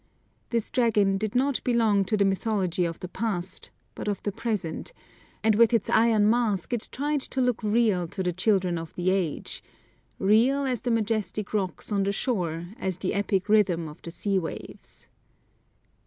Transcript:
This dragon did not belong to the mythology of the past, but of the present; and with its iron mask it tried to look real to the children of the age, real as the majestic rocks on the shore, as the epic rhythm of the sea waves.